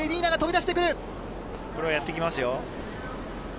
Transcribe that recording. これはやってきますよ。